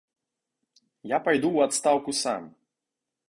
Я пайду ў адстаўку сам.